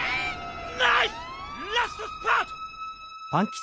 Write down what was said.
ナイスラストスパート！